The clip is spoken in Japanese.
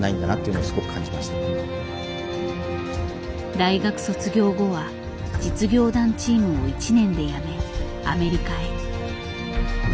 大学卒業後は実業団チームを１年で辞めアメリカへ。